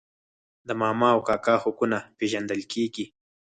د ماما او کاکا حقونه پیژندل کیږي.